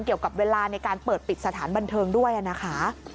เกี่ยวกับเวลาในการเปิดปิดสถานบันเทิงด้วยนะคะ